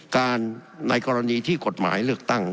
ในกรณีที่กฎหมายเลือกตั้ง